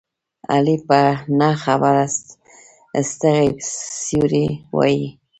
علي په نه خبره ستغې سپورې وايي.